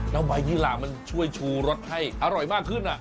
ไม้ยี่หล่ามันช่วยชูรสให้อร่อยมากขึ้น